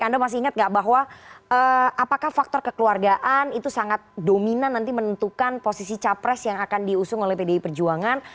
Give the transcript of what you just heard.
anda masih ingat nggak bahwa apakah faktor kekeluargaan itu sangat dominan nanti menentukan posisi capres yang akan diusung oleh pdi perjuangan